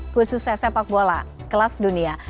khususnya sepak bola kelas dunia